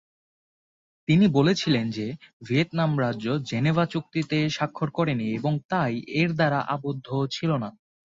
তিনি বলেছিলেন যে ভিয়েতনাম রাজ্য জেনেভা চুক্তিতে স্বাক্ষর করেনি এবং তাই এর দ্বারা আবদ্ধ ছিল না।